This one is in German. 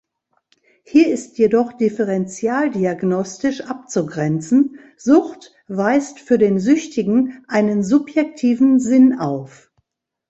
Hier ist jedoch differenzialdiagnostisch abzugrenzen: Sucht weist für den Süchtigen einen subjektiven Sinn auf.